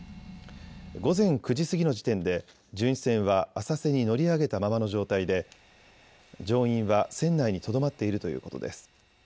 午前９時過ぎの時点で巡視船は浅瀬に乗り上げたままの状態で乗員は船内にとどまっているということです。